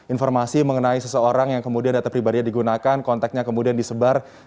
informasi mengenai seseorang yang kemudian data pribadinya digunakan kontaknya kemudian disebar